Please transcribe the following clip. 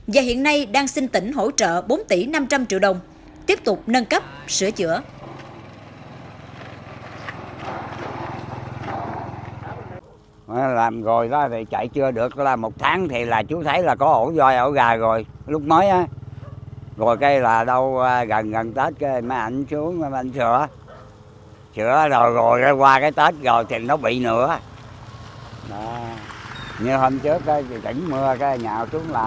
và hiện nay đang xin tỉnh hỗ trợ bốn tỷ năm trăm linh triệu đồng tiếp tục nâng cấp sửa chữa